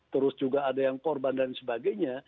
terus juga ada yang korban dan sebagainya